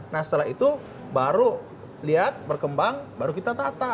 nah setelah itu baru lihat berkembang baru kita tata